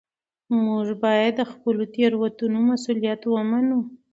موږ باید د خپلو تېروتنو مسوولیت ومنو